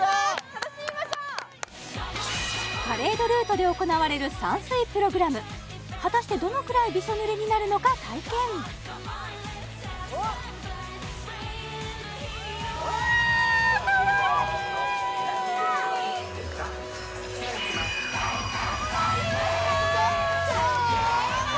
楽しみましょうパレードルートで行われる散水プログラム果たしてどのくらいびしょ濡れになるのか体験おっ来た来たかわいい！